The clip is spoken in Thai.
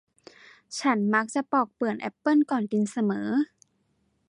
ฉันมักจะปอกเปลือกแอปเปิ้ลก่อนกินเสมอ